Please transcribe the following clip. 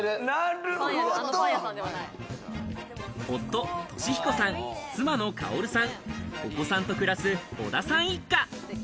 夫・利彦さん、妻の薫さん、お子さんと暮らす小田さん一家。